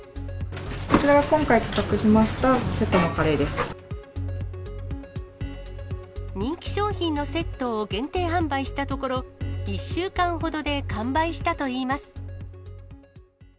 こちらが今回企画しました、人気商品のセットを限定販売したところ、１週間ほどで完売したといいます。